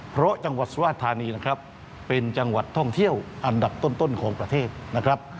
เพราะจังหวัดสุราธานีนะครับเป็นจังหวัดท่องเที่ยวอันดับต้นของประเทศนะครับ